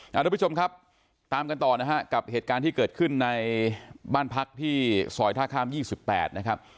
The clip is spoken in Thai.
ทุกผู้ชมครับตามกันต่อนะฮะกับเหตุการณ์ที่เกิดขึ้นในบ้านพักที่ซอยท่าข้าม๒๘นะครับ